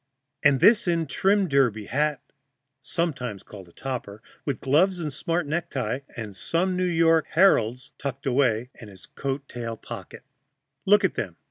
And this in trim derby hat (sometimes a topper), with gloves and smart necktie, and some New York "Heralds" tucked away in a coat tail pocket. Look at them!